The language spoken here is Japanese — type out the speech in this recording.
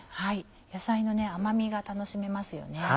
野菜の甘みが楽しめますよね。